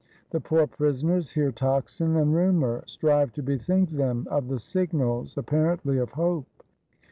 The poor prisoners hear tocsin and rumor; strive to bethink them of the signals apparently of hope.